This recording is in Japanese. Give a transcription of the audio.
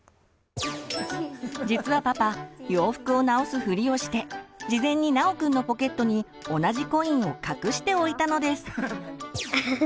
実はパパ洋服を直すフリをして事前に尚くんのポケットに同じコインを隠しておいたのです。